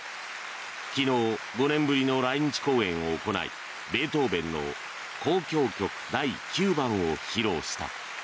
昨日、５年ぶりの来日公演を行いベートーベンの「交響曲第９番」を披露した。